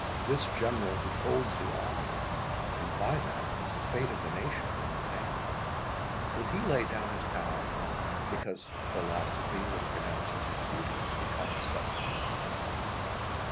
This General, who holds the army, and by that the fate of the nation in his hand, will he lay down his power because philosophy would pronounce it his duty to become a subject?"